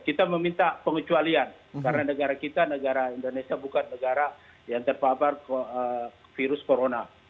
kita meminta pengecualian karena negara kita negara indonesia bukan negara yang terpapar virus corona